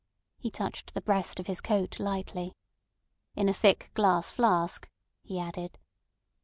He touched the breast of his coat lightly. "In a thick glass flask," he added.